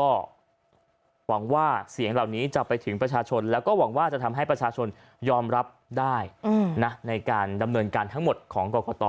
ก็หวังว่าเสียงเหล่านี้จะไปถึงประชาชนแล้วก็หวังว่าจะทำให้ประชาชนยอมรับได้ในการดำเนินการทั้งหมดของกรกต